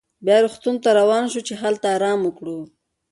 بیا روغتون ته روان شوو چې هلته ارام وکړو.